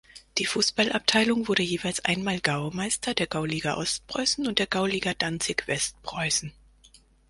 Die Fußballabteilung wurde jeweils einmal Gaumeister der Gauliga Ostpreußen und der Gauliga Danzig-Westpreußen.